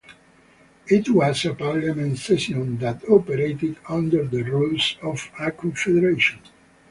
It was a parliament session that operated under the rules of a confederation.